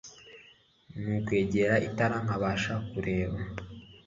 Nukwegera itara nkabasha kureba